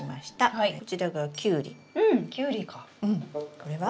これは？